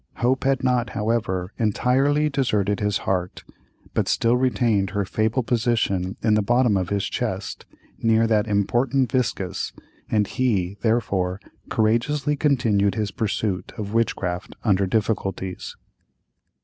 Hope had not, however, entirely deserted his heart, but still retained her fabled position in the bottom of his chest, near that important viscus, and he, therefore, courageously continued his pursuit of witchcraft under difficulties.